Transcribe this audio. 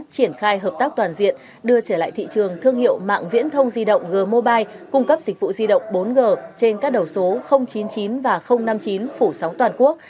triển khai hợp tác toàn diện đưa trở lại thị trường thương hiệu mạng viễn thông di động g mobile cung cấp dịch vụ di động bốn g trên các đầu số chín mươi chín và năm mươi chín phủ sóng toàn quốc